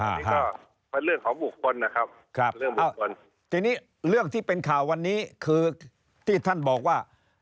นี่ก็เป็นเรื่องของบุคคลนะครับเป็นเรื่องบุคคลทีนี้เรื่องที่เป็นข่าววันนี้คือที่ท่านบอกว่า